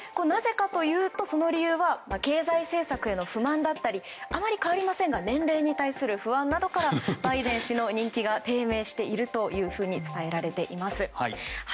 その理由は経済政策への不満だったりあまり変わりませんが年齢に対する不安などからバイデン氏の人気が低迷していると伝えられています。